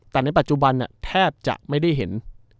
แต่ในปัจจุบันแทบจะไม่ได้เห็น